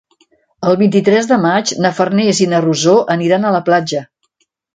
El vint-i-tres de maig na Farners i na Rosó aniran a la platja.